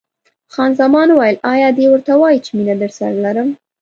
خان زمان وویل: ایا دی ورته وایي چې مینه درسره لرم؟